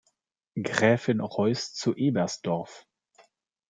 Gräfin Reuß zu Ebersdorf.